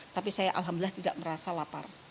tapi saya alhamdulillah tidak merasa lapar